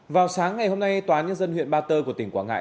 vào sáng ngày hôm nay tòa nhân dân huyện ba tơ của tỉnh quảng ngãi